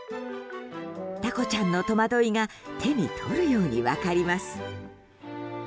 たこちゃんの戸惑いが手に取るように分かります。